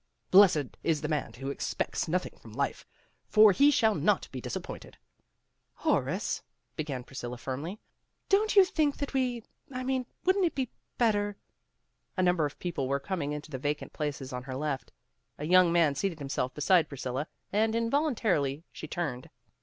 ''Blessed is the man who expects nothing from life, for he shall not be disap pointed. '' ''Horace," began Priscilla firmly. "Don't you think that we I mean wouldn't it be better" A number of people were coming into the vacant places on her left. A young man seated himself beside Priscilla, and involuntarily she turned.